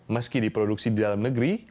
meski diproduksi di dalam negeri